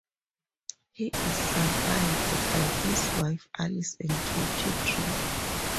He is survived by his wife, Alice and two children.